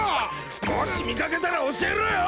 もし見掛けたら教えろよ！